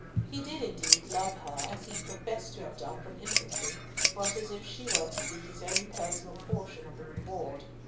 He did, indeed, love her, as he professed to have done from infancy, but as if she were to be his own personal portion of the reward.